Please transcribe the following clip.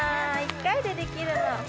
１回でできるの？